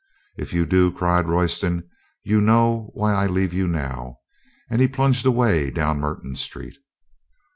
"If you do," cried Royston, "you know why I leave you now." And he plunged away down Mer ton Street.